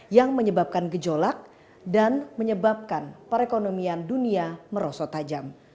yang menyebabkan gejolak dan menyebabkan perekonomian dunia merosot tajam